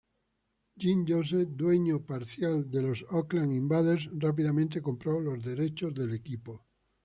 Jim Joseph, dueño parcial de los Oakland Invaders, rápidamente compró los derechos del equipo.